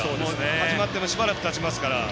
始まってもしばらくたちますから。